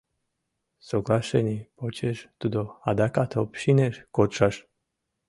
Соглашений почеш тудо адакат общинеш кодшаш.